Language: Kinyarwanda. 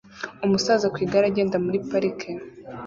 Umusaza ku igare agenda muri parike